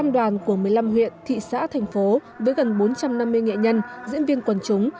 một mươi năm đoàn của một mươi năm huyện thị xã thành phố với gần bốn trăm năm mươi nghệ nhân diễn viên quần chúng